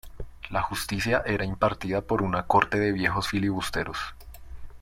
La justicia era impartida por una corte de viejos filibusteros.